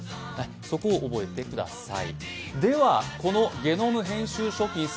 そこを覚えてください。